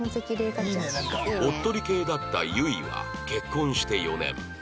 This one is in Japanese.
おっとり系だった唯は結婚して４年